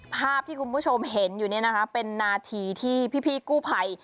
ภาพที่คุณผู้ชมเห็นอยู่เนี่ยนะคะเป็นนาทีที่พี่กู้ภัย